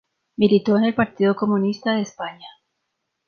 Militó en el Partido Comunista de España.